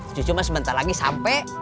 cucu mah sebentar lagi sampe